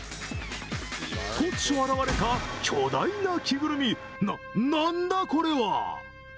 突如現れた巨大な着ぐるみなっ、なんだこれは。